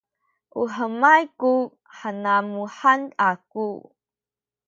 u hemay ku kanamuhan aku